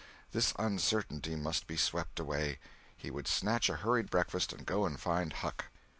This uncertainty must be swept away. He would snatch a hurried breakfast and go and find Huck.